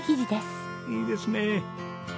いいですね。